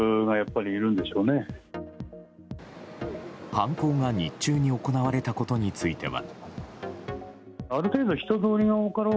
犯行が日中に行われたことについては。